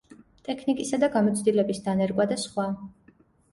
ტექნიკისა და გამოცდილების დანერგვა და სხვა.